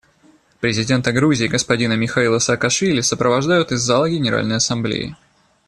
Президента Грузии господина Михаила Саакашвили сопровождают из зала Генеральной Ассамблеи.